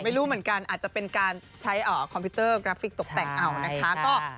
ไม่รู้เหมือนกันอาจจะเป็นการใช้คอมพิวเตอร์กราฟิกตกแต่งเอานะคะ